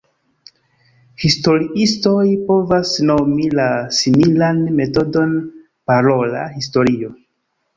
Historiistoj povas nomi la similan metodon parola historio.